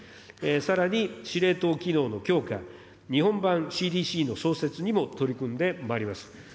さらに司令塔機能の強化、日本版ＣＤＣの創設にも取り組んでまいります。